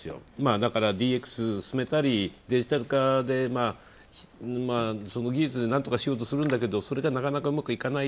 だから、ＤＸを進めたり、デジタル化でその技術でなんとかしようとするんだけどそれじゃなかなかうまくいかない。